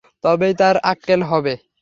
তবেই তার আক্কেল হবে।